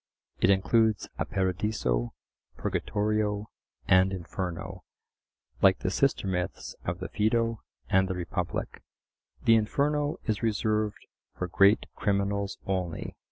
It includes a Paradiso, Purgatorio, and Inferno, like the sister myths of the Phaedo and the Republic. The Inferno is reserved for great criminals only.